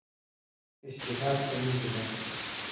استعداد کمېږي نه.